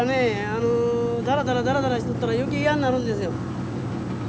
あのダラダラダラダラしとったら余計嫌になるんですよ。